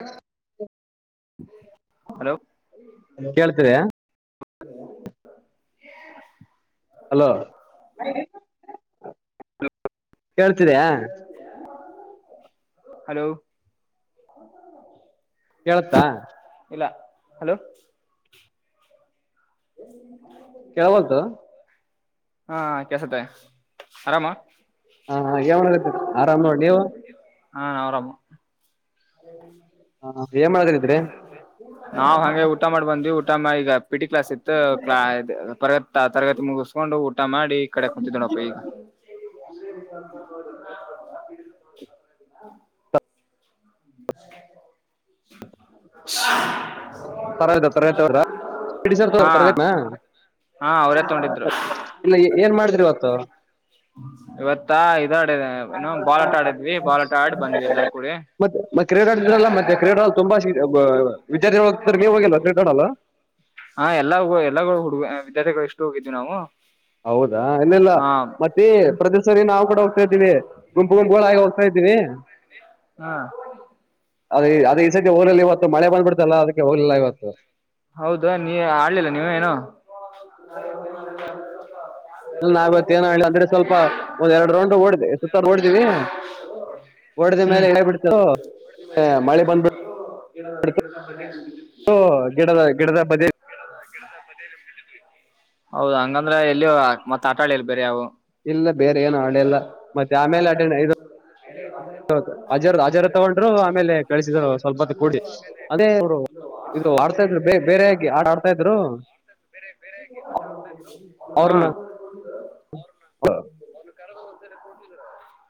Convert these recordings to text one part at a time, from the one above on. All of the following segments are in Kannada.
ಹಾ ಹಲೋ ಕೇಳ್ತೀರಿ ಹಲೋ ಕೇಳ್ತೀರಯಾ ಹಲೋ ಕೇಳತ್ತಾ ಇಲ್ಲ ಹಲೋ ಹ [unintelligible] ಕೆಳಬಂತ ಹಾ ಕೆಸತ್ತ ಆರಾಮ ಹ ಏನ್ ಮಾಡಕತ್ತಿ ಆರಾಮ್ ನೋಡ್ ನೀವು ಹಾ ನೌರಾಮ ಏನ್ ಮಾಡಕತ್ತಿದ್ರಿ ನಾವ್ ಹಗೆ ಊಟ ಮಾಡಿ ಬಂದೀವಿ ಊಟ ಮಾಡಗ ಪಿ ಟಿ ಕ್ಲಾಸ್ ಇತ್ತು ಕ್ಲಾ ತರಗ ತರಗತಿ ಮುಗಿಸ್ಕೊಂಡು ಊಟ ಮಾಡಿ ಕಡೆ ಕುತಿ ದನ ಪಗ [inaudible] ತರತ ತರತ್ರರ್ ತ ಹಾ ತರೇತನ ಹಾ ಅವ್ರೇ ತಗೊಂಡಿದ್ರು ಇಲ್ಲ ಏನ್ ಮಾಡಿದಿವತ್ತು ಇವತ್ತಾ ಇದಾಡ ಏನ ಬಾಲ್ಟ ಆಡಿದ್ವಿ ಬಾಲ್ಟ ಆಡಿ ಬಂದಿಲ್ಲ ಕೂಡ ಮತ್ತೆ ಮ ಕ್ರೀಡಿದ್ರಲ್ಲ ಮತ್ತೆ ಕ್ರೀಡ ಅಲ್ ತುಂಬಾ ವಿದಾರ್ಥಿಗಳು ಹೋಗ್ತಾರೆ ನೀವು ಹೋಗಲ್ಲ ಕ್ರೀಡಾಡ ಅಲ್ಲ ಹಾ ಎಲ್ಲಾ ಎಲ್ಲ ಹುಡುಗ ವಿದ್ಯಾರ್ಥಿಗಳು ಎಷ್ಟು ಹೋಗಿದ್ವಿ ನಾವು ಹೌದಾ ಇಲ್ಲೆಲ್ಲ ಮೆ ಗುಂಪು ಗುಂಪುಗಳಾಗಿ ಹೋಗ್ತಾ ಇದ್ದೀವಿ ಹ್ಮ [unintelligible] ಅದ ಅದ ಈ ಸತಿ ಊರಲ್ಲಿ ಇವತ್ತು ಮಳೆ ಬಂದಬಿಡ್ತಲ್ಲ ಅದಕ್ಕೆ ರೆಲ್ಲ ಇವತ್ತು ಹೌದ ನೀ ಆಡ್ಲಿಲ್ಲ ನೀವ ಏನು ಇಲ್ಲ ನಾವತ್ತ ಏನ ಹೇಳ ಅಂದ್ರೆ ಸ್ವಲ್ಪ ಒಂದ್ ಎರಡ್ ರೌಂಡ್ ಓಡ್ದ ಸುತ್ತ ಓಡ್ದೀವಿ ಒಡೆದ ಮೇಲೆ ಹ್ಮ್ ಎಬಿಡ್ತ ಮಳೆ ಬಂದ್ಬ [unintelligible] ಹಓ ಗಿಡದ ಗಿಡದ ಮ ಹೌದ ಹಂಗಂದ್ರೆ ಎಲ್ಲಿಯ ಮತ್ತ ಆಟಾಳಿಲ್ ಬೇರೆ ಯಾವವು ಇಲ್ಲ ಬೇರೆ ಏನು ಹಳೆಲ್ಲ ಮತ್ತೆ ಆಮೇಲೆ ಅಟೆಂಡ್ ಇದು ಅಜರ್ ಅಜರ ತಗೊಂಡ್ರು ಆಮೇಲೆ ಕಳಿಸಿದ್ರು ಸ್ವಲ್ಪ ಹೊತ್ತು [unintelligible] ಕೂಡಿ ಅದೇ ಲೆೇಲೆ ಇದು ಆಡ್ತಾ ಇದ್ರು ಒ ಬೇ ಆಟ ಆಡ್ತಾ ಇದ್ರು ಬೇರೆ ಬೇರೆ ಬೇರೆ ಹಾ ಕಟ್ಟ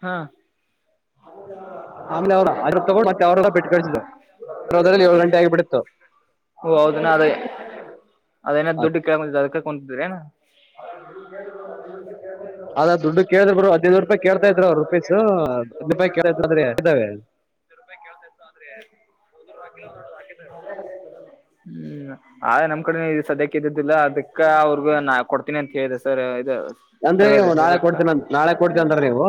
ಹಾ ಹೌ ಆಮೇಲೆ ಅವೊಂಡೆ ಬಿಟ್ಟ ಕ್ರಲ್ಲಿ ಏಳು ಗಂಟೆ ಆಗಿಬಿಡಿತ್ತು ಓ ಹೌದ್ ಅದೇ ಅದೇನ ದುಡ್ಡು ಕೇಳಕೊ ಅದಕ್ಕೆ ಕುತಿದ್ರ ಏ ಹ ನೀ ಕ ಕ ಅದಾ ದುಡ್ಡು ಕೇಳಿದ್ರ ಬರು ಹದಿನೈದು ರೂಪಾಯಿ ಕೇತ ಇದ್ರು ಅವರುಪಸ್ ಹದ್ೂಾಯ ಕೇಳ್ ಅಂದ್ರೆ ಇದಾವೆ ೆ ಹ್ಮ್ ಆದೆ ನಮ್ ಕಡೆ ಇದು ಸದ್ಯಕ್ಕೆ ಇದ್ದುದಿಲ್ಲ ಅದಕ್ಕೆ ಅಕ್ಕ ಅವ್ರಿಗ ನಾ ಕೊಡ್ತೀನಿ ಅಂತ ಹೇಳಿದೆ ಸರ್ ಇ ತರಗದರ್ಕ್ಕ ಕೊಡ್ತ ಅಂದ್ರ ನೀವು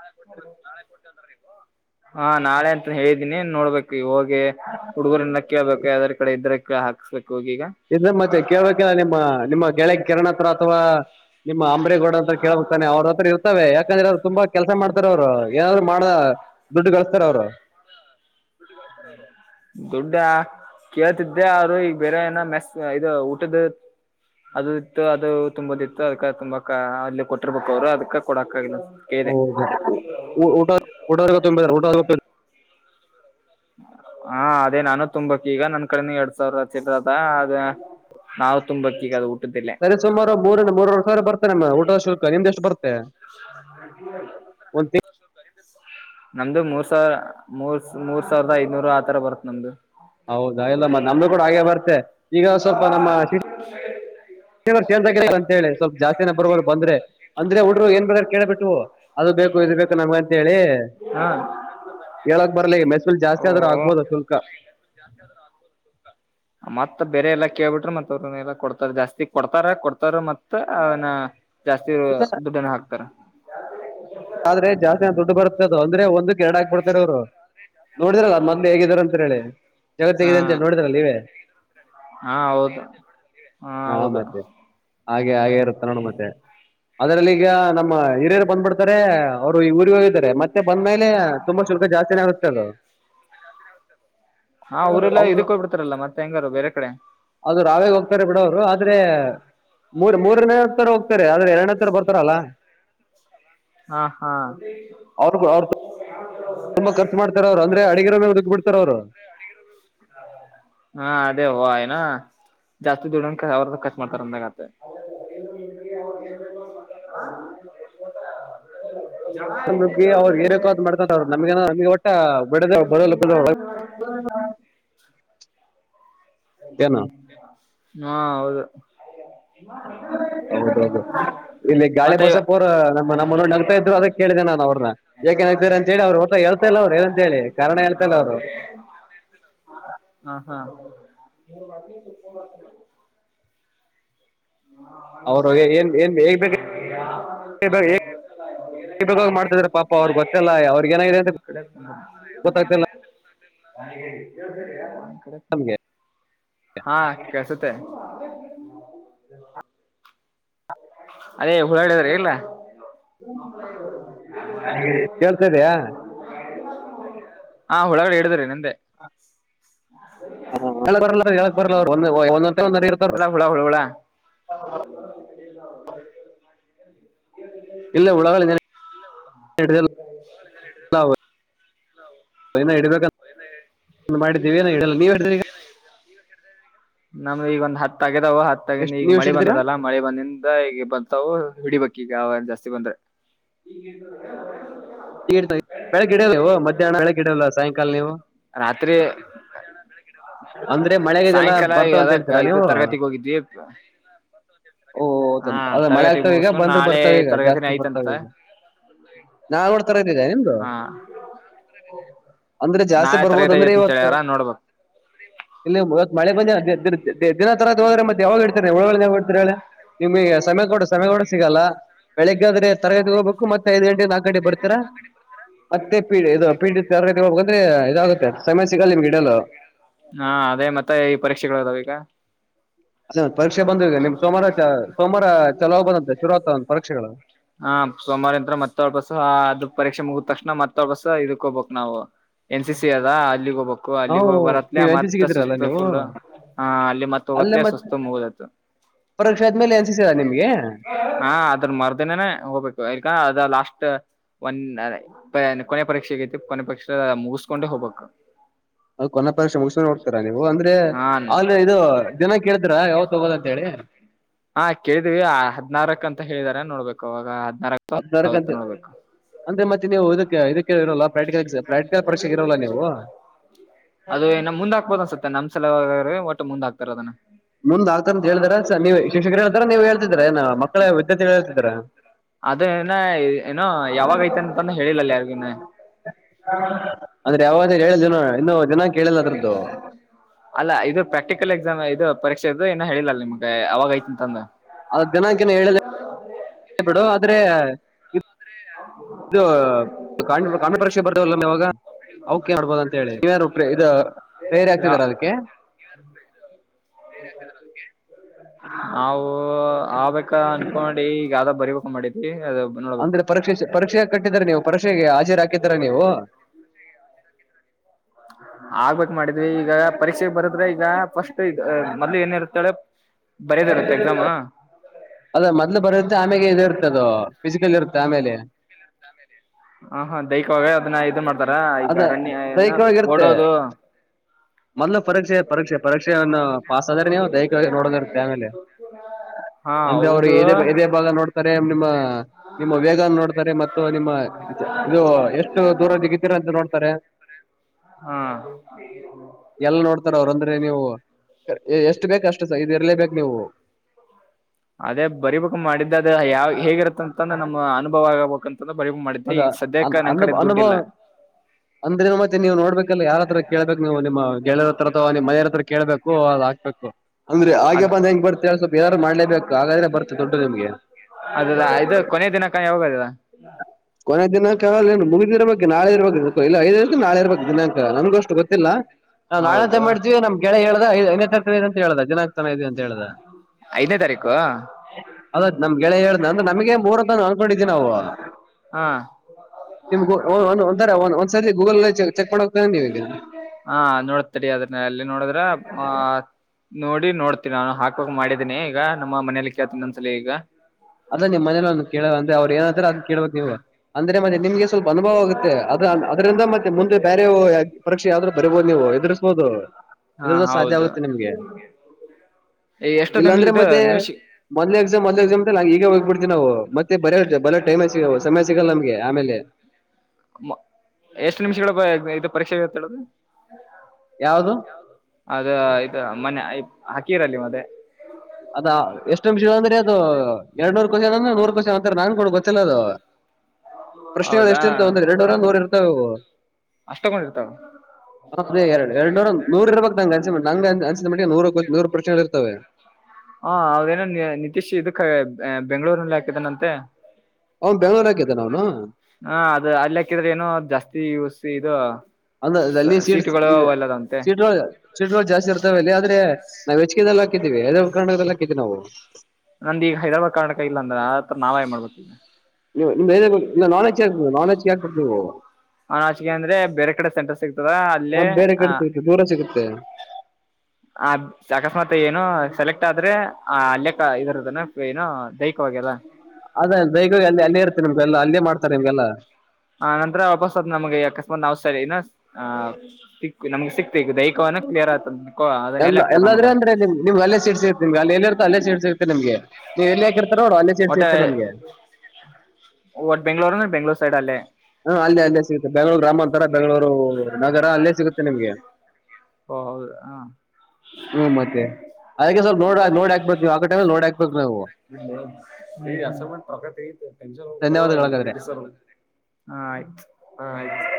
ನಾಳೆ ಕೊಟ್ಟ ನಾಳೆ ಕೊಟ್ಟು ಬಂದ್ರ ನೀವು ಹಾ ನಾಳೆ ಅಂತ ಹೇಳಿದೀನಿ ನೋಡ್ಬೇಕು ಹೋಗಿ ಹುಡುಗರನ್ನ ಕೇಳ್ಬೇಕು ಯದಾರ ಕಡೆ ಇದ್ರ ಕ ಹಾಕ್ಸ್ಬೇಕುೋಗೀಗ ಇದ್ರ ಮತ್ತೆ ಕೇಳ ಕೆ ನಿಮ್ಮ ನಿಮ್ಮ ಗೆಳಗ್ ಕಿರಣ ಹತ್ರ ಅಥವಾ ನಿಮ್ಮ ಅಂಬ್ರೇಗೋಡ ಅಂತ ಕೇಳ್ತಾನೆ ಅವ್ರದ ಇರ್ತವೆ ಯಾಕಂದ್ರೆ ಅವ್ರು ತುಂಬಾ ಕೆಲಸ ಮಾಡ್ತಾರ ಅವ್ರು ಏನಾದ್ರು ಮಾಡ ದುಡ್ಡು ಗಳಿಸಸ್ತಾರ ಅವ್ರು ಹ್ಮ್ ದುಡ್ಡ ಕೇಳ್ತಿದ್ದೆ ಅವರು ಈಗ ಬೇರೆ ಏನ ಮೆಸ್ ಇದು ಊಟದ ಅದು ಇತ್ತು ಅದು ತುಂಬದ ಇತ್ತು ಅದ್ಕ ತುಂಬಾಕ ಅಲ್ಲಿ ಕೊಟ್ಟಿರ್ಬೇಕ ಅವ್ರು ಅದಕ್ಕ ಕೊಡಕ್ಗಲ್ಲ ಹೌದಾ ಊಟ ಊಟಗ ತುಂಬ ಊಟೊ ಹಾ ಅದೇ ನಾನು ತುಂಬಕ್ ಈಗ ನನ್ ಕಡೆ ಎರಡ್ ಸಾವಿರ ಚದ ಅದ ನಾವು ತುಂಬಕ್ಕಿಗ ಅದು ಹುಟ್ಟುತ್ತಿಲ್ಲೇ ಸರಿ ಸುಮಾರು ಮೂರ ಮೂರವ ಸ ಬರ್ತ ನಮ್ಮ ಊಟದ ಶುಲ್ಕ ನಿಮ್ದಷ್ಟು ಬರ್ತೆ ಒ ನಮ್ದು ಮೂರ್ ಸಾವಿರ ಮೂರ್ ಮೂರ್ ಸಾವಿರದ ಐದನೂರು ಆತರ ಬರುತ್ ನಮ್ದು ಹೌದಾ ಎಲ್ಲ ಮ ನಮ್್ದು ಕೂಡ ಹಾಗೆ ಬರ್ತೆ ಈಗ ಸ್ವಲ್ಪ ನಮ್ಮ ಶ ಹ ಕೇಳ್ ಅಂತ ಹೇಳಿ ಸ್ವಲ್ಪ ಜಾಸ್ತಿನ ಬರುವೋರು ಬಂದ್ರೆ ಅಂದ್ರೆ ಹಡ್ರು ಏನ್ ಬೇಕಾದ ಕೇಳಳ್ಬಿಟ್ಟು ಅದು ಬೇಕು ಇದು ಬೇಕು ನಮ್ಗ ಅಂತ ಹೇಳಿ ಹಾ ಹೇಳಕ್ ಬರಲಿ ಮೆಸುಲ್ ಜಾಸ್ತಿ ಆದ್ರೂ ಆಗ್ಬಹದು ಶುಲ್ಕ ಜಾಸ್ತಿ ಆದದ್ರ ಮತ್ತತ್ ಬೇರೆ ಎಲ್ಲಾ ಕೇಳ್ಬಿಟ್ರೆ ಮತ್ ಅವ್ರನ್ನ ಎಲ್ಲಾ ಕೊಡ್ತಾರ ಜಾಸ್ತಿ ಕೊಡ್ತಾರ ಕೊಡ್ತಾರ ಮತ್ತತ್ ಅವನ ಜಾಸ್ತಿ ಇಲ್ಲ ದುಡ್ಡನ್ನು ಹಾಕ್ತಾರ ಆದ್ರೆ ಜಾಸ್ತಿ ನಾ್ ದುಡ್ ಬರ್ತದ ಅಂದ್ರೆ ಒಂದ್ ಎಡಾಕ್ ಬಿಡ್ತಾರ ಅವರು ನೋಡಿದ್ರಲ್ಲ ಮೊ್ ಹೇಗಿದ್ರ ಅಂತ ಹೇಳಿ ಜಗತ್ತ ಹಾ ಹೇಗಿದೆ ಅಂತ ಹೇಳಿೋಡಿದ್ರಲ್ಲ ನೀವೇ ಹಾ ಹೌದು ಹಾ ಹೌದು ಹಾಗೆ ಹಾಗೆ ಇರುತ್ತೆ ನೋಡ ಮತ್ತೆ ಅದ್ರಲ್ಲಿ ಈಗ ನಮ್ಮ ಹಿರಿಯರು ಬಂದ್ಬಿಡ್ತ ಅವ್ರು ಈ ಊರಿಗೆ ಹೋಗಾರೆ ಮತ್ತೆ ಬಂದ ಮೇಲೆ ತುಂಬಾ ಶುಲ್ಕ ಜಾಸ್ತಿನೇ ಆಗುತ್ತೆ ಅದು [unintelligible] ಹಾ್ಊ್ರಲ್ಲ ಅವ್ರು ಇದಕ್ಕೋಗ್ ಬಿಡ್ತಾರಲ್ಲ ಮತ್ತತ್ ಹೆಂಗಾರ ಬೇರೆ ಕಡೆ ಅದು ರಾವೇಗ ಹೋಗ್ತಾರೆ ಬಿಡ ಅವ್ರು ಆದ್ರೆ. ಮೂರ್ ಮೂರನೇ ಹತ್ತರ ಹೋಗ್ತಾರೆ ಆದ್ರೆ ಎರಡನೇ ತರ್ ಬರ್ತಾರಲ್ಲಾ. ಹಾ ಹಾ ಅವ್ರು ಅವ್ ತುಂಬಾಖರ್ಚ ಮಾಡತ ಅವರು್ರ ಅಡಿರೇ ಹದದುಕ್ ಬಿಡ್ತಾರ ಅವರು. ಹಾ ಅದೇ ಹಾ ಎನ್ನ ಜಾಸ್ತಿ ದುಡೋಣ ಅವ್ರ ಖರ್ಚು ಮಾಡ್ತಾರೆ ಅಂದಾಗ ಆಯ್ತು [inaudible] ಗ್ಗಿ ಅವ್ರರು ಏರಬೇಕೇಕೋ ಅ ಮಾಡ್ಕತ ಅವ್ರರು ನಮಗೇನು ನಿಮ್ಗೆ ಒಟ್ಟ ಬಡದ ಬದಲ್ ಹಾ ಹೌದು [inaudible] ಹೌದು ಹೌದು ಇಲ್ಲಿ ಗಾಳಿ ಮತ್ತೆ ಬಸಪ್ಪ ಅವರು ನಮ್ಮ ನಮ್ಮನ ನಗ್ತಾ ಇದ್ರು ಅದ ಕೇಳಿದೆ ನಾನನ್ ಅವ್ರನ್ನ. ಯಾಕೆ ನಗ್ತಾರೆ ಅಂತ ಹೇಳಿ ಅವ್ರು ಒಟ್ಟ ಹೇಳ್ತಾ ಇಲ್ಲ ಅವ್ರು ಏನಂತ ಹೇಳಿ ಕಾರಣ ಹೇಳ್ತಾ ಇಲ್ಲ ಅವರು [inaudible] [inaudible] ಹಾ ಹಾ [inaudible] [inaudible] ಏ- ಏನ್ ಏನ್ ಹೇಗ್ ಬೇಕು ಹೇಗ್ [unintelligible] ಬೇಕಾಗಿ ಮಾಡ್ತಿದಾರೆ ಪಾಪ ಅವ್ರು ಗೊತ್ತಿಲ್ಲ ಅವ್ರಿಗೆ ಏನಾಗಿದೆ ಅಂತ [inaudible] ಗೊತ್ತಾಗ್ತಿಲ್ಲ [unintelligible] ನಮ್ಗೆ ಹಾ ಕೆಳಸುತ್ತೆ [inaudible] ಅದೇ ಹುಳಡದ್ರ ಇಲ್ಲ. ಕೇಳ್ತಾ ಇದೆಯಾ ಹಾ ಒಳಗಡೆ ಹಡಿದ್ರ ನಂದೆ. [unintelligible] ಹುಳಾ ಹುಳಾ [inaudible] ಇಲ್ಲ ಹುಳುಗಳ ಇಡಿ ಬೇಕು ಅಂತಾ ಮಾಡಿದ್ದೀವಿ ಏಡಲ್ಲ ನೀವು ನಮ್ದ ಈಗ ಒಂದು ಹತ್ತಗದಾವ ಹತ್ತಗಂದ ಎಷ್ಟ್ ಈಗ ನೀವ್ ಎಷ್ಟ್ ಮಳಿ ಹಿಡಿದಿರಾ ಬಂದದಲ್ಲಾ. ಮಳೆ ಬಂದಿಂದ ಈಗ ಬತಾವು ಹಿಡಿಬೇಕಕ್ ಈಗ ಅವ ಜಾಸ್ತಿ ಬಂದ್ರೆ ಬೆಳೆ ಗಿಡೋವ ಮ್ಯಾಹ್ನಳೆ ಗಿಡೋಲ್ಲ ಸಾಯಂಕಾಲ ನೀವು ರಾತ್ರಿ ಅಂದ್ರೆ ಮಳೆಗೆ ಇದೆಲ್ಲ ಸಾಯಂಕಾಲ ಬರ್ತಾವ ಅಂತ ಅದಕ್ ಹೇಳ್ತೀರಾ ಇದು ನೀವು ತರಗತಿಗ್ ಹೋಗಿದ್ವಿ ಓ ಓ, ಓ, ಹಾ ಅದ ಮಳೆ ತರಗತಿ ಆಗ್ತಾವ ಈಗ ಮುಗಸ್ಕೊಂಡು ಬಂದ್ರೆ ನಾಳೆ ತರಗತಿನ ಐ್ತಂತ [inaudible] ಇದ್ದಿದ್ದ ನಿಮ್ದು ಅಂದ್ರೆ ಜಾಸ್ತಿ ನಾಳೆ ತರಗತಿ ಬರ್ಬೋದಂದ್ರೆ ಐತಿ ಅಂತ ಇವತ್ತು ಹೇಳ್ಯಾರ ನೋಡ್ಬಕ್ ಇಲ್ಲಿ ಇವತ್ ಮಳೆ ಬಂದಿ ದಿನ ತರ ಹೋದ್ರ ಮತ್ತ ಯಾವಾಗ ಇತಾರೆಳ ಯಾವ್ ಇಡ್ತಾರೆ ಹೇಳ ನಿಮ್ಗೆ ಸಮಯ ಕೂಡ ಸಮಯ ಕೂಡ ಸಿಗಲ್ಲ ಬೆಳಿಗ್ಗಾದ್ರೆ ತರಗತಿ ಹೋಗಬೇಕು ಮತ್ತೆ ಐದು ಗಂಟೆ ನಾಲ್ಕು ಗಂಟೆ ಬರ್ತ ಕಕ ಅ [inaudible] ಇದಾಗುತ್ತೆ ಸಮಯ ಸಿಗಲ್ಲ ನಿಮ್ಗೆ ಗಿಡಲು ಹಾ ಅದೇ ಮತ್ತೆ ಈ ಪರೀಕ್ಷೆಗಳುದಾವ ಈಗ ಅ ಪರೀ ಬಂದ್ ನಿಮ್ ಸೋಮವಾರ ಸೋಮವಾರ ಚಲ ಹೋಗ ಬಂತೆಂತ ಶುರು ಆಗ್ತದ ಒ್ ಪರೀಕ್ಷೆಗಳು ಹಾ ಸೋಮವಾರ ಅಂತ್ರ ಮತ್ತೊ ಒಳ್ಬಸ ಅದ ಪರೀಕ್ಷೆ ಮುಗಿದ ತಕ್ಷಣ ಮತ್ತೊಳ್ಬಸ ಇದಕ್ ಹೋಗ್ಬೇಕಕ್ ನಾವು ಎನ್ ಸಿ ಸಿ ಅದ ಅಲ್ಲಿಗೆ ಹೋಗ್ಬೇಕು ಅಲ್ಲಿಗೆ ನಾವು ಹೋಗ ಬರತ್ಲ ನೀವ್ ಎನ್ ಸಿ ಮತ್ ಸಿಗಿದ್ರಲ್ಲ ಸುಸ್ತ್ ನೀವು ಫುಲ್ ಹಾ ಅಲ್ಲಿ ಮತ್ ಹೋಗತ್ ಅಲ್ಲೇ ಮತ್ತೆ ಸುಸ್ತು ಮುಗುದತ್ತುು ಪರೀಕ್ಷೆ ಆದ್ಮೇಲೆ ಎನ್ ಸಿ ಸಿಗ ನಿಮ್ಗೆ [inaudible] ಹಾ ಅದನ್ ಮಾರತ್ ಅದೇನೆ ಹೋಗ್ಬೇಕು ಯಕ ಅದ ಲಾಸ್ಟ್ ಒನ್ ಕೊನೆ ಪರೀಕ್ಷೆ ಆಗೈತಿ ಕೊನೆ ಪರೀಕ್ಷೆ ಮುಗಿಸ್ಕೊಂಡೆ ಹೋಗ್ಬೇಕು ಕೊನೆ ಪರೀಕ್ಷೆ ಮುಗಸ್ಕೊಂಡೆ ಹೋಗತೀರಾ ನೀವು ಅಂದ್ರೆ ಹಾ ಆಲ್ ಇದು ಜನ ಕೇಳಿದ್ರ ಯಾವತ್ ಹೊಗೋದ ಅಂತ ಹೇಳಿ ಟಿ [inaudible] ಹಾ ಕೇಳ್ದವಿ ಹದ್ನಾರಕ ಅಂತ ಹೇಳಿದಾರ ನೋಡ್ಬೇಕು ಅವಾಗ ಹದ್ನಾರ ಹದ್ನಾರಕ್ತ್ ಗಂಟೆ ನೋಡ್ಬೇಕು ಅಂದ್ರೆ ಮತ್ತೆ ನೀವು ಇದಕ್ಕೆ ಇದಕ್ಕೆ ಇರಲ್ಲ ಪ್ರಾಟಿಕ ಪ್ರಾಕ್ಟಿಕಲ್ ಪರಕ್ಷೆಗೆ ಇರಲ್ಲಾ ನೀವು ಅದು ಏನ ಮುಂದ ಹಾಕ್ಬೋದ ಅನ್ಸುತ್ತೆ ನಮ್ಸಲ ಒಟ್ಟು ಮುಂದ ಹಾಕ್ತಾರ ಅದನ್ನ ನಂದ್ ಆತ ಅಂತ ಹೇಳಿದಾರ ಸ ನೀವು ಶಿಕ್ಷಕರು ಹೇಳತಾರಾ ನೀವು ಹೇಳ್ತಿದರಏ ಮಕ್ಕಳೇ ವಿದ್ಯಾರ್ಥಿ [unintelligible] ಹೇಳ್ಿದೀಾ ಅದ ಏನ ಏನೋ ಯಾವಾಗ ಐತೆ ಅಂತಾನ ಹೇಳಿಲ್ಲಲ್ಲಿ ಯಾರಿಗಿನ್ನ [inaudible] ಅಂದ್ರೆ ಯಾವಾಗಂತ ಹೇಳಿಲ್ಲ ಜನ ಇನ್ನು ಜನ ಕೇಳಿಲ್ಲ ಅದ್ರದ್ದು ಅಲ್ಲ ಇದು ಪ್ರಾಕ್ಟಿಕಲ್ ಎಕ್ಸಾಮ್ ಇದು ಪರೀಕ್ಷೆ ಇದು ಏನೋ ಹೇಳಿಲ್ಲಲ್ಲ ನಿಮ್ಗೆ ಅವಾಗ ಐತಿ ಅಂತಂದು ಅದ ದಿನಂಕನ ಹೇಳ ಬಿಡು ಆದ್ರೆ ಹ [inaudible] [unintelligible] [inaudible] ಯವಾಗ ಅವಕೆ ಮಾಡೋ್ಬೋದು ಅಂತ ಹೇಳಿ ನೀವಾರ ಇದ ತೈರಿ ಆಗ್ತಿದಾರ ಅದಕ್ಕೆ ನಾವು ಆಬೇಕ್ ಅಕ್ಕ ಅನ್ಕೊಂಡಿ ಈಗ ಯಾವ್ದ ಬರಿಬೇಕ ಮಾಡಿದ್ವಿ ಅದ ಅಂದ್ರೆ ಪರೀಕ್ಷೆ ಪರೀಕ್ಷೆ ಕಟ್ಟಿದ್ರ ನೀವು ಪರೀಕ್ಷೆಗೆ ಹಾಜಿರು ಹಾಕಿದ್ರ ನೀವು ಆಗ್ಬೇಕೇ ಮಾಡಿದ್ವಿ ಈಗ ಪರೀಕ್ಷೆಗೆ ಬರದ್ರೆ ಈಗ ಫಸ್ಟ್ ಇದ ಮೊದ್ಲು ಏನಿ ಇರುತ್ತೇಳು ಬರೇದ್ ಇರುತ್ತೆ ಎಕ್ಸಾಮ ಅದ ಮೊದ್ಲು ಬರುತ್ತೆ ಆಮೇಲೆ ಇ ಇರುತ್ತೆ ಅದು ಫಿಸಿಕಲ್ ಇರುತ್ತೆ ಆಮೇಲೆ ನಾಮೇರಿ ಹ ಹ ದೈಹಿಕವಾಗಿ ಅದನ್ನ ಇದು ಮಾಡ್ತಾರ ಈಗ ಅದ ಅರಣ್ಯ ಏನ ದೈಹಿಕವಾಗಿ ಇರುತ್ತೆ ಓಡೋದು ಮೊದ್ಲು ಪರೀಕ್ಷೆ ಪರೀಕ್ಷೆ ಪರಿಕ್ಷೆಯನ್ನ ಪಾಸ್ ಆದಾರೆ ನೀವು ದೈಹಿಕವಾಗಿ ನೋಡದ ಇರುತ್ತೆ ಆಮೇಲೆ ಹ [inaudible] [inaudible] ಅಂಥ ಅವ್ರಿಗೆ ಎದೆ ಬಾ ಎದೆ ಭಾಗ ನೋಡ್ ನಿಮ್ಮ ನಿಮ್ಮ ವೇಗ ನೋಡ್ತಾರೆ ಮತ್ತು ನಿಮ್ಮ ಇದು ಎಷ್ಟ ಎಷ್ಟು ದೂರಜಿಗಿತೀರ ಅಂತ ನೋಡ್ತಾರೆ ಎಲ್ಲ ನೋಡ್ತಾರ ಅವ್ರು ಅಂದ್ರೆ ನೀವು ಹ ಎಷ್ಟು ಬೇಕಕ್ಷ್ಟು [inaudible] ಸ ಇದ ಇರ್ಲೇ ಬೇಕು ನೀವು ಅದೇ ಬರಿಬೇಕ್ ಮಾಡಿದ್ದ ಅದ ಯಾವ ಹೇಗಿರತ್ತ ಅಂತಂದ್ರ ನಮ್ಮ್ ಅನುಭವ್ ಆಗಬೇಕಂತ ಅದಾ ಅನ್ ಅನ್ನುಭಾವ ದುಡ್ಡಿಲ್ಲ ಅಂದ್ರೆ ಮತ್ತೆ ನೀವ್ ನೋಡ್ಬೇಕಲ್ಲ ಯಾರ ಹತ್ರ ಕೇಳ್ಬೇಕು ನೀವು ನಿಮ್ಮ ಗೆಳೆಯರ ಹತ್ರ ಅಥವಾ ನಿಮ್ಮ ಮನೆಯವ ಹತ್ರ ಕೇಳ್ಬೇಕು ಅದ್ ಹಾಕ್ಬೇಕು ಅಂದ್ರೆ ಆಗೆ ಅದ ಬಂದ್ ಹೆಂಗ್ ಬರ್ತ ಸ್ವಪ [inaudible] ಯಾರು ಮಾಡ್ಲೇಬೇಕು [inaudible] ಹಾಗಾದ್ರೆ ಬರ್ತ ದೊಡ್ಡ ನಿಮ್ಗೆ ಮನೆ ದಿನಕ್ಕ ಯೋಗೋದಿಲ್ಲಾ [unintelligible] ತಿಂಗಳಾ [inaudible] ಕೊನೆ ದಿನಾಂಕ ಅಲ್ಲೆನ ಮುಗಿದಿರ ಬೇಕ ನಾಳೆ ಇರ್ಬೇಕು ಇಲ್ಲ [unintelligible] ನಾಳೆ ಇರ್ಬೇಕು ದಿನಾಂಕ ನಂಗ ಅಷ್ಟು ಗೊತ್ತಿಲ್ಲ. ನಾವು ನಾಳೆ ಅಂತ ಹೌದು ಮಾಡ್ತೀವಿ ನಮ್ ಗೆಳೆಯಾ ಹೇಳ್ದಾ ಐದನೇ ತಾರಿಖ ಹೇಳೆನಿ ಅಂತ ಹೇಳ್ದ ದಿನಾ [unintelligible] ಇದೆ ಅಂತ ಹೇಳ್ದ. ಐದನೇ ತಾರೀಕು ಆದಾಯತ್ ನಮ್ ಗೆಳಯಾ ಹೇಳ್ದ ಅಂದ್ರೆ ನಮ್ಗೆ ಮೂರಂತ ಅನ್ಕೊಂಡಿದವಿ ನಾವು. ಹಾ ನಿಮ್ ಒ ಒಂದರಿ ಒ ಒಂದ್ಸರಿ ಗೂಗಲಲ್ಲ ಚೆ ಚೆಕ್ ಮಾಡದ್ [unintelligible] ಹಾ ನೋಡ್ ತಡಿ ಅದನ್ನ ಎಲ್ಲಿ ನೋಡಿದ್ರ ಮಾ. ನೋಡಿ ನೋಡ್ತೀನಿ ನಾನು ಹಾಕೋಕ್ ಮಾಡಿದ್ದೀನಿ ಈಗ ನಮ್ಮ ಮನೇಲಿ ಕೇಳ್ತಿನಿ ಇನ್ನೊಂದಸಲಿ ಈಗ ಅದ ನಿಮ್ಮ ಮನಲಿ ಒಂದ ಕೇಳನ ಅಂದೆ ಅವರು ಏನ ಅಂತಾರ ಅದ ಕೇಳ ಬೇಕು ನೀವು ಅಂದ್ರೆಮಾ ನಿಮ್ಗೆ ಸ್ವಲ್ಪ ಅನುಭವ ಆಗುತ್ತೆ ಅದ ಅದರಿಂದ ಮತ್ತೆ ಮುಂದೆ ಬ್ಯಾರೆ ಪರೀಕ್ಷೆ ಯಾವ್ದ್ರರು ಬರಿಬೋದು ನೀವು ಎದುರಿಸಬಹುದು ಹಾ ಹೆದರಿದ್ರ ಸಾಧ್ಯ ಹೌದು ಆಗುತ್ತೆ ನಿಮ್ಗೆ. ಎಷ್ಟು ನಿಮಿಷ ಇಲ್ಲಾಂದ್ರೆ ಇದು ಮತ್ತೆ ನಿಮಿಷ ಮೊದ್ಲೆ ಎಕ್ಸಾಮ್ ಒಂದು ಎಕ್ಸಾಮ್. ಈಗ ಹೋಗ್ಬಡ್ತೀವಿ ನಾವು ಮತ್ತೆ ಬರೆ ಬಲ ಟೈಮ್ ಸಿಗ ಸಮಸ್ಯೆಗಳೂ ನಮಗೆ ಆಮೇಲೆ ಅಮ್ಮ ಎಷ್ಟು ನಿಮಿಷಗಳ ಇದ ಪರೀಕ್ಷೆ ಐತೆ ಹೇಳದು. ಯಾವದು ಅದ ಇದು ಮನ್ನೆ ಐಕ ಹಾಕಿರಲ್ಲ ನೀವ ಅದೆ. ಅದ ಎಷ್ಟು ನಿಮಷ ಅಂದ್ರೆ ಅದು ಎರಡ ನೂರ ಕುಶನ್ ಅಂದ್ರ ನೂರ ಕುಶನ್ ಅಂತ ನಾನ್ ಕೊಡ ಗೊತ್ತಿಲ್ಲ ಅದು. ಪ್ರಶ್ನೆಗಳು ಹೌದಾ ಎಷ್ಟ ಇರ್ತಾವ ಅಂದ್ರ ಎರಡ ನೂರ ನೂರ ಇರ್ತಾವವು. ಅಷ್ಟ ತಗೊಂಡಿರ್ತಾವ ಹ ಅದೇ ಎರಡ್ ಎರಡು ನೂರ ನೂರ್ ಇರ್ಬೇಕ ನಂಗಗೆ ಅಂಗ ಅನ್ಸಿದ ಅಂಗ ಅನ್ಸಿದ ಮಟ್ಟಿಗೆ ನೂರು ನೂರು ಪ್ರಶ್ನೆಗಳು ಇರ್ತವೆ ಹ ಅವದೇನ ನೀನಿತೀಶ್ ಇದಕ ಬೆಬೆಂಗಳೂರನಲ್ಲಿ ಹಾಕಿದನಂತೆ. ಅವನು ಬೆಂಗಳೂರಾಗಿದಾನ ಅವನು. ಹಾ ಅದು ಅಲ್ಲಿ ಹಾಕಿದ್ರೆ ಏನೋ ಜಾಸ್ತಿ ಯುಸಿ ಇದು. ಸಸೀಟುಗಳು ಅವು ಎಲ್ಲದವಂತೆ. ಸೆಟ್ಗಳು ಜಾಸ್ತಿ ಇರ್ತವೆ ಇಲ್ಲಿ ಆದರೆ ನಾವು ಹೆಚ್ಚಿಗೆದಲ್ ಹಾಕಿದ್ದೇವೆ ಹೈದರಾಬಾದ್ ಕರ್ನಾಟಕದಲ್ಲಿ ಹಾಕಿದ್ದೇವೆ ನಾವು ನಂದಿಗ ಹೈದರಾಬಾದ್ ಕರ್ನಾಟಕ ಇಲ್ಲ ಅಂದ್ರೆ ನಾವೇನ್ ಮಾಡಬೇಕು ಇವಾಗ ನೀವು ನಾನೇಚ್ಚಕೆ ಹಾಕ್ಬೇಕ್ ನೀವು ನಾನ್ ಹೆಚ್‌ಕೆ ಆಚೆಗೆ ಅಂದ್ರೆ ಬೇರೆ ಕಡೆ ಸೆಂಟರ್ ಸಿಗುತ್ತ ಆಚೆ ನಮ್ ಬೇರೆ ಕಡೆ ಸಿಗುತ್ತೆ ದೂರ ಸಿಗುತ್ತೆ ಆ ಅಕಸ್ಮಾತ್ ಏನೋ ಸೆಲೆಕ್ಟ್ ಆದರೆ ಅಲ್ಲೇ ಸೈಕೋ ಏನೋ ಅದೇ ಬೇಗ ಅಲ್ಲಿ ಅಲ್ಲೇ ಇರ್ತೆ ನಿಮ್ಗೆಲ್ಲ ಅಲ್ಲೇ ಮಾಡ್ತಾರೆ ನಿಮ್ಗೆಲ್ಲ ಆ ನಂತರ ವಾಪಸ್ ನಮ್ಗೆ ಅಕಸ್ಮಾತ್ ನಾವು ಸ ಆ ಸಿ ನಮ್ಗೆ ಸಿಕ್ತ ದೈ ಎಲ್ಲ ನಮಗ ಎಲ್ಲಾದ್ರೆ ಅಂದ್ರೆ ನಿಮ್ ನಿಮ್ಗೆ ಅಲ್ಲೇ ಸೀಡ್ ಸಿಗುತ್ತೆ ನಿಮ್ಗೆ ಅಲ್ಲಿ ಎಲ್ಲಿ ಇರ್ತೆ ಅಲ್ಲೇ ಸೀಡ್ ಸಿಗತ್ತೆ ನಿಮ್ಗೆ ನೀವ ಎಲ್ಲಿ ಹಾಕಿರ್ತ ನೋಡು ಅಲ್ಲೇರ್ಿರ್ತ್ತೆ ನಮಗೆ ಹೋ ಬೆಂಗಳೂರು ಅಂದ್ರೆ ಬೆಂಗಳೂರು ಸೈಡಲ್ಲಿ ಹಾ ಅಲ್ಲೇ ಅಲ್ಲೇ ಸಿಗುತ್ತೆ ಬೆಂಗಳೂರು ಗ್ರಾಮಾಂತರ ಬೆಂಗಗಳೂರು ನಗರ ಅಲ್ಲೇ ಸಿಗುತ್ತೆ ನಿಮ್ಗೆ ಓ ಹೌದು ಹಾ ಹ್ಮ್ ಮತ್ತೆ ಅದಕ್ಕೆ ಸ್ವಲ್ಪ ನೋಡ್ ನೋಡ ಹಾಕ್ಬೇಕು ನೀವು ಆಗ ಟೈಮಲ್ಲಿ ನೋಡ ಹಾಕ್ಬೇಕು ನಾವು ಪ್ರಕಟೆನ್ ಧನ್ಯವಾದಗಳು ಹಾಗಾದ್ರೆ ತಿಸರ್ [unintelligible] ಹ ಆಯ್ತು ಹ ಆಯ್ತು